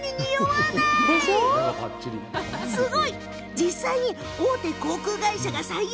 実際に大手航空会社が採用。